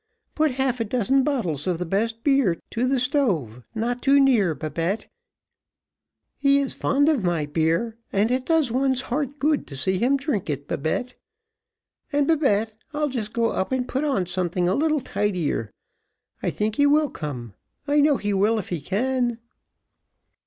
Put half a dozen bottles of the best beer to the stove not too near, Babette he is fond of my beer, and it does one's heart good to see him drink it, Babette. And, Babette, I'll just go up and put on something a little tidier. I think he will come I know he will if he can."